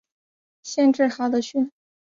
县治哈得逊。